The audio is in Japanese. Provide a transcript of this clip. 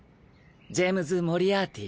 ジェームズ・モリアーティ。